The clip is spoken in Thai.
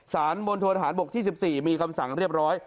สารมณฑบก๑๔มีคำสั่งเรียบร้อย